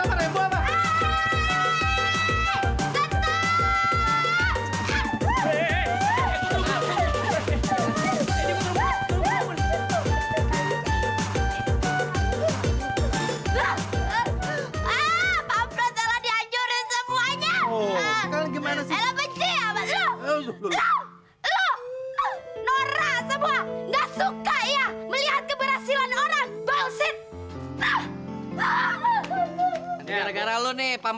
isi jangan bakal ya